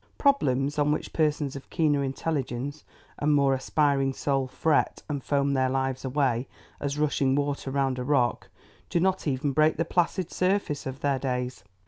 Problems, on which persons of keener intelligence and more aspiring soul fret and foam their lives away as rushing water round a rock, do not even break the placid surface of their days.